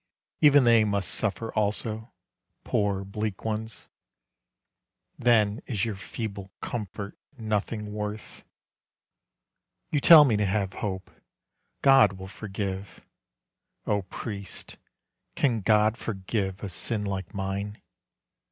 Even they must suffer also, poor bleak ones, Then is your feeble comfort nothing worth. You tell me to have hope, God will forgive. O Priest, can God forgive a sin like mine?